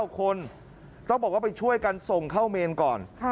๙คนต้องบอกว่าไปช่วยกันส่งเข้าเมนก่อน